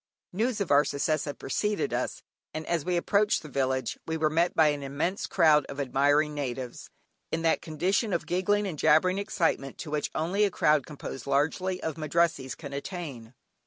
News of our success had preceded us, and as we approached the village we were met by an immense crowd of admiring natives, in that condition of giggling and jabbering excitement to which only a crowd composed largely of Madrassees can attain.